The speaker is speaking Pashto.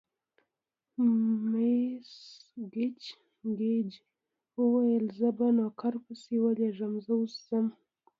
مس ګېج وویل: زه به نوکر پسې ولېږم، زه اوس ځم.